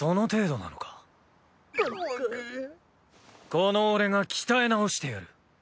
この俺が鍛え直してやる。